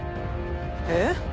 えっ？